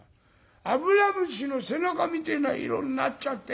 油虫の背中みてえな色になっちゃって。